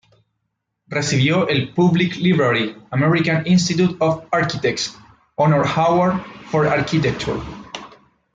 Recibió el Public Library, American Institute of Architects, "Honor Award for Architecture"